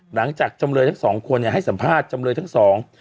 หลังจากจำเรือทั้งสองคนเนี่ยให้สัมภาษณ์จำเรือทั้งสอง